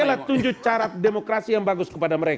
pakailah tujuh cara demokrasi yang bagus kepada mereka